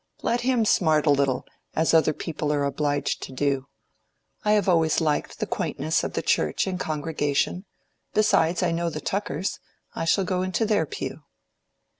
Let him smart a little, as other people are obliged to do. I have always liked the quaintness of the church and congregation; besides, I know the Tuckers: I shall go into their pew."